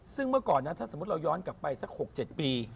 ซึ่งเมื่อก่อนนะถ้าสมมุติเราย้อนกลับไปสัก๖๗ปี